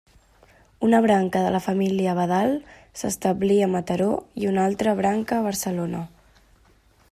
Una branca de la família Abadal s'establí a Mataró i un altre branca a Barcelona.